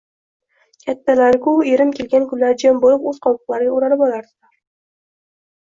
Kattalari-ku, erim kelgan kunlari jim bo'lib, o'z qobiqlariga o'ralib olardilar